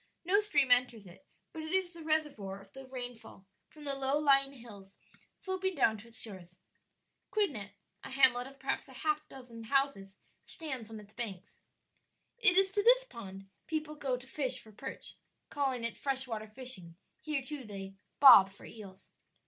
No stream enters it, but it is the reservoir of the rainfall from the low lying hills sloping down to its shores. Quidnet a hamlet of perhaps a half dozen houses stands on its banks. It is to this pond people go to fish for perch; calling it fresh water fishing; here too they "bob" for eels.